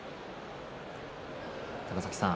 高崎さん